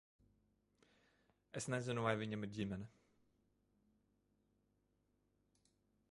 Es nezinu, vai viņam ir ģimene.